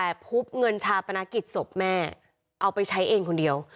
แต่พบเงินชาปนกิจศพแม่เอาไปใช้เองคนเดียว